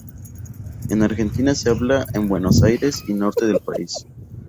En Argentina se habla en Buenos Aires y norte del pais.